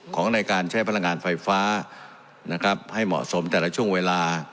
ของในการใช้พลังงานไฟฟ้านะครับให้เหมาะสมแต่ละช่วงเวลา